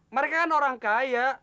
mereka kan orang kaya